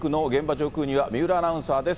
上空には三浦アナウンサーです。